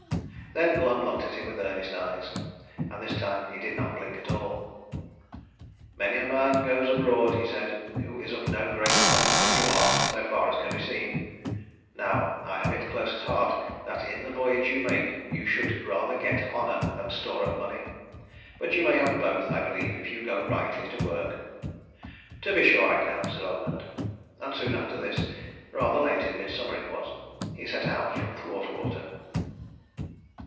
Then Glum looked at him with earnest eyes; and this time he did not blink at all. "Many a man goes abroad," he said, "who is of no greater promise than you are, so far as can be seen. Now I have it close at heart that in the voyage you make you should rather get honour than store of money. But you may have both, I believe, if you go rightly to work." "To be sure I can," said Ogmund; and soon after this rather late in midsummer it was he set out from Thwartwater.